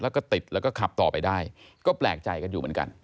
แล้วก็ติดแล้วก็ขับต่อไปได้ก็แปลกใจกันอยู่เหมือนกัน